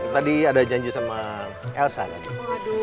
tadi ada janji sama elsa tadi